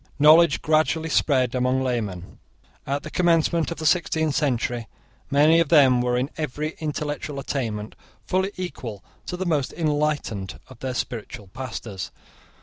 Knowledge gradually spread among laymen. At the commencement of the sixteenth century many of them were in every intellectual attainment fully equal to the most enlightened of their spiritual pastors.